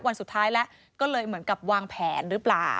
วันสุดท้ายแล้วก็เลยเหมือนกับวางแผนหรือเปล่า